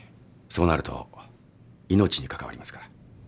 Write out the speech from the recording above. そうなると命に関わりますから。